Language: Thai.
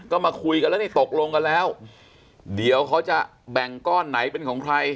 ก็มาคุยกันแล้วนี่ตกลงกันแล้วเดี๋ยวเขาจะแบ่งก้อนไหนเป็นของใคร